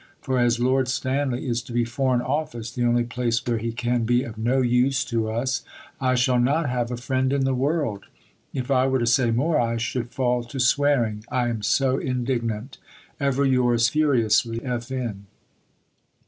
For, as Lord Stanley is to be Foreign Office (the only place where he can be of no use to us), I shall not have a friend in the world. If I were to say more, I should fall to swearing, I am so indignant. Ever yours furiously, F. N.